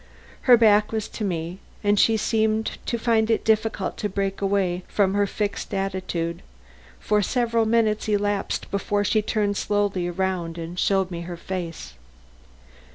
Her back was to me and she seemed to find it difficult to break away from her fixed attitude; for several minutes elapsed before she turned slowly about and showed me her face.